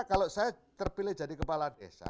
kalau saya terpilih jadi kepala desa